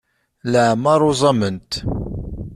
Leɛmer uẓament.